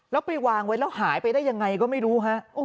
แล้วไปวางไว้แล้วหายไปได้ยังไงก็ไม่รู้ฮะ